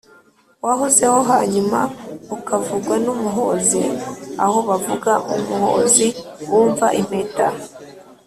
wahozeho, hanyuma ukavugwa n’umuhozi aho bavuga umuhozi wumva impeta,